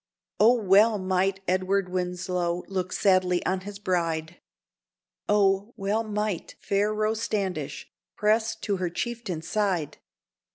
O, well might Edward Winslow look sadly on his bride! O, well might fair Rose Standish press to her chieftain's side!